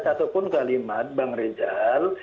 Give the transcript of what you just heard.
satupun kalimat bang rizal